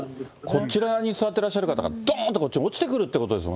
こちら側に座ってらっしゃる方がどんとこっちに落ちてくるっはい。